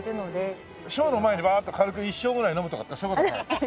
ショーの前にワーッと軽く一升ぐらい飲むとかってそういう事はない？